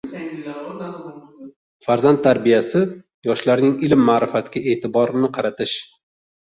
Farzand tarbiyasi, yoshlarning ilm-ma’rifatga e’tiborini qaratish